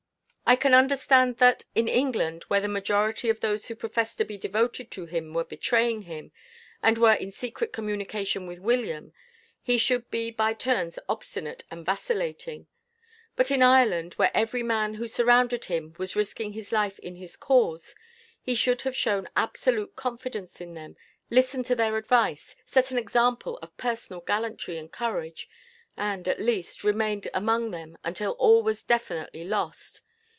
I can understand that, in England, where the majority of those who professed to be devoted to him were betraying him, and were in secret communication with William, he should be by turns obstinate and vacillating; but in Ireland, where every man who surrounded him was risking his life in his cause, he should have shown absolute confidence in them, listened to their advice, set an example of personal gallantry and courage, and, at least, remained among them until all was definitely lost.